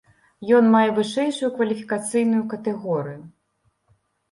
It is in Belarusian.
Ён мае вышэйшую кваліфікацыйную катэгорыю.